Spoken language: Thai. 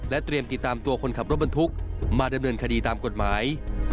เตรียมติดตามตัวคนขับรถบรรทุกมาดำเนินคดีตามกฎหมาย